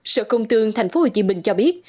sở công thương tp hcm cho biết